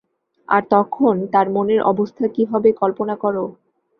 আর তখন তার মনের অবস্থা কী হবে কল্পনা করো।